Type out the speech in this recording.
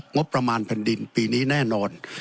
งบประมาณแผ่นดินปีนี้แน่นอน